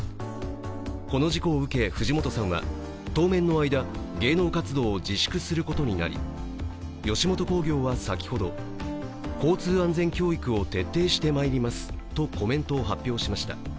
この事故を受け、藤本さんは当面の間、芸能活動を自粛することになり吉本興業は先ほど交通安全教育を徹底してまいりますとコメントを発表しています。